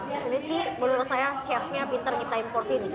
ini sih menurut saya chefnya pinter ngetahin for sini